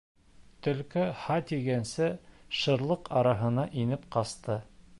Төлкө һә тигәнсе шырлыҡ араһына инеп ҡасты.